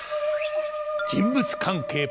人物関係